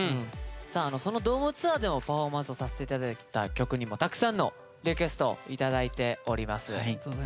さあそのドームツアーでもパフォーマンスをさせていただいた曲にもたくさんのリクエストを頂いております。